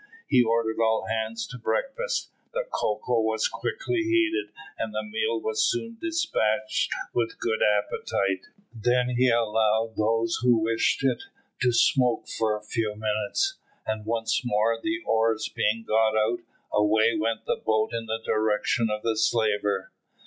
He ordered all hands to breakfast. The cocoa was quickly heated, and the meal was soon despatched with good appetite. Then he allowed those who wished it to smoke for a few minutes, and once more, the oars being got out, away went the boat in the direction of the slaver.